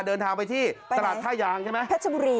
เดินทางไปที่ตลาดถ้ายางใช่ไหม